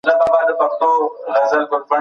دولت د حرفه کارانو د هڅوني لپاره کار پیل کړ.